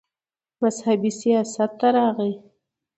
مذهبي سياست ته راغے